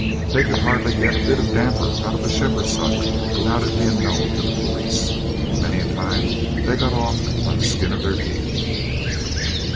They could hardly get a bit of damper out of a shepherd's hut without it being known to the police, and many a time they got off by the skin of their teeth.